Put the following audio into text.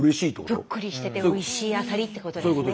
ぷっくりしてておいしいアサリってことですね。